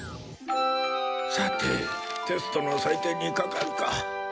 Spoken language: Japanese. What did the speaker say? さてテストの採点にかかるか。